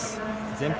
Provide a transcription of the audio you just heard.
前方